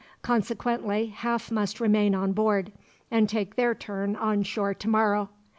Consequently, half must remain on board, and take their turn on shore tomorrow.